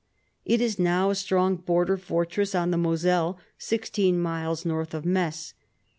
It is now a strong border fortress on the Moselle, sixteen miles north of Metz.